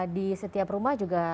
di setiap rumah juga